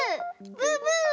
ブーブー！